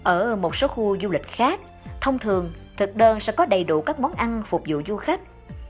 ở một số khu du lịch khác thông thường thực đơn sẽ có đầy đủ các món ăn phục vụ du khách